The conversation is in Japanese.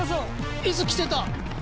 いつきてた？